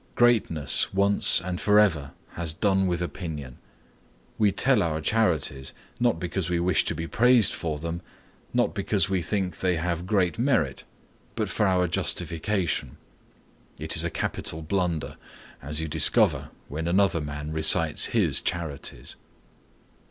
Greatness once and for ever has done with opinion. We tell our charities, not because we wish to be praised for them, not because we think they have great merit, but for our justification. It is a capital blunder; as you discover when another man recites his charities.